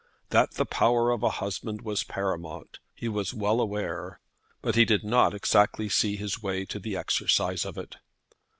That the power of a husband was paramount he was well aware, but he did not exactly see his way to the exercise of it.